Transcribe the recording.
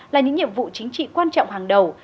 là những nhiệm vụ chính trị quan trọng hàng đầu